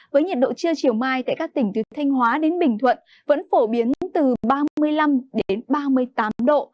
với nhiệt độ trưa chiều mai tại các tỉnh từ thanh hóa đến bình thuận vẫn phổ biến từ ba mươi năm ba mươi tám độ